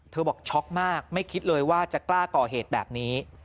บอกช็อกมากไม่คิดเลยว่าจะกล้าก่อเหตุแบบนี้